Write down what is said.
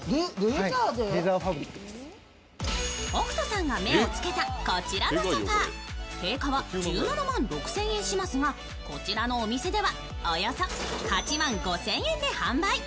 北斗さんが目をつけたこちらのソファー定価は１７万６０００円しますがこちらのお店では、およそ８万５０００円で販売。